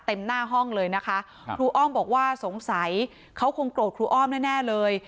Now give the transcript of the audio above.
หน้าห้องเลยนะคะครูอ้อมบอกว่าสงสัยเขาคงโกรธครูอ้อมแน่เลย